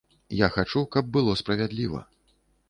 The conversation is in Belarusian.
Я хачу, каб было справядліва.